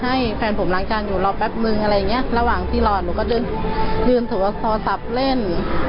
ให้แฟนผมล้างจานอยู่รอแป๊บนึงอะไรอย่างเงี้ยระหว่างที่รอหนูก็เดินยืนโทรศัพท์เล่น